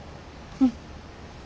うん。